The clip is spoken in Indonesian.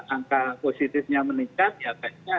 angka positifnya meningkat ya baiknya